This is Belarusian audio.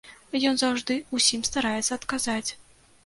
Ён заўжды ўсім стараецца адказаць.